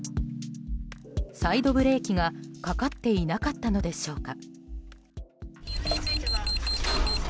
サイドブレーキがかかっていなかったのでしょうか。